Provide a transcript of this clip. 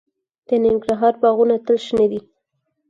د ننګرهار باغونه تل شنه دي.